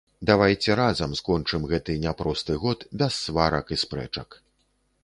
Давайце разам скончым гэты няпросты год без сварак і спрэчак.